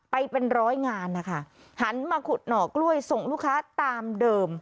ไปเป็นร้อยงานนะคะหันมาขุดหน่อกล้วยส่งลูกค้าตามเดิม